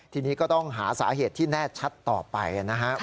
ทีนี้ก็ต้องหาสาเหตุที่แน่ชัดต่อไปนะครับ